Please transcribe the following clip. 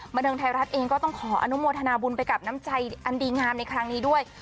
บันเทิงไทยรัฐเองก็ต้องขออนุโมทนาบุญไปกับน้ำใจอันดีงามในครั้งนี้ด้วย